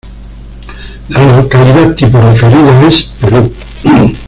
La localidad tipo referida es: ‘‘Perú’’.